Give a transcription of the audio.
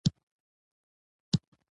باران اوس په خپل پخواني برم کې پاتې نه و.